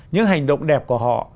những hành động đẹp của họ